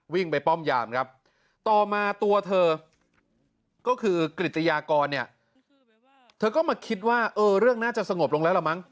วิ่งไปป้อมยามกันครับต่อมาตัวเธอก็คือกริจยากรมักคิดว่าเรื่องน่าจะสงบลงแล้วหรอมั้ง